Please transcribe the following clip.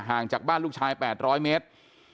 ห่างจากบ้านลูกชาย๘๐๐เมตร